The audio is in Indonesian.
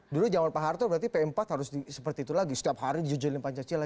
dulu zaman pak harto berarti p empat harus seperti itu lagi setiap hari dijujurin pancasila